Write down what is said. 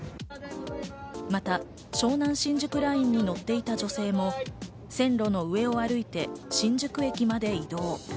また湘南新宿ラインに乗っていた女性も線路の上を歩いて新宿駅まで移動。